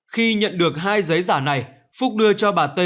khi nhận được hai giấy giả này phúc đưa cho bà t